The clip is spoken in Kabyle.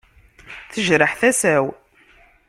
Tejreḥ tasa-w.